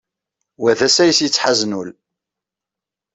Wa d asayes yettḥazen ul.